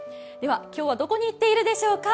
今日はどこに行っているでしょうか。